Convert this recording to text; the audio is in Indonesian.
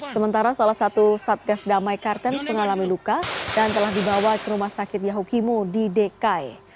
sementara salah satu satgas damai kartens mengalami luka dan telah dibawa ke rumah sakit yahukimo di dekai